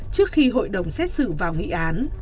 trước khi hội đồng xét xử vào nghị án